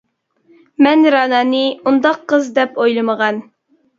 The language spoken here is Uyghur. مەن رەنانى ئۇنداق قىز دەپ ئويلىمىغان.